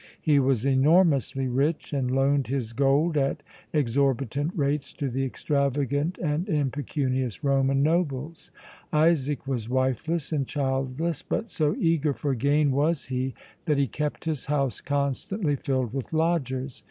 He was enormously rich and loaned his gold at exorbitant rates to the extravagant and impecunious Roman nobles. Isaac was wifeless and childless, but so eager for gain was he that he kept his house constantly filled with lodgers.